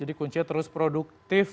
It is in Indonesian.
jadi kuncinya terus produktif